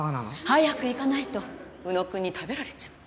早く行かないと浮野くんに食べられちゃう。